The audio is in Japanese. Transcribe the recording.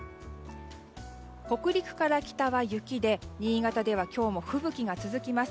北陸から北は雪で新潟では今日も吹雪が続きます。